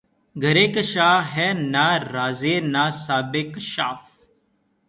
گرہ کشا ہے نہ رازیؔ نہ صاحب کشافؔ